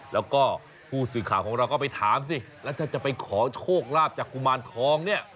แล้วก็ผู้สื่อข่าวของเราก็ไปถามสิแล้วถ้าจะไปขอโชคลาภจากกุมารทองเนี่ย